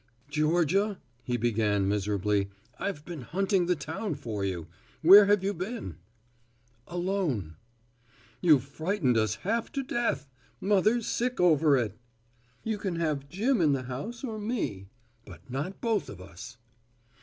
"Georgia," he began miserably, "I've been hunting the town for you. Where have you been?" "Alone." "You've frightened us half to death. Mother's sick over it." "You can have Jim in the house, or me, but not both of us."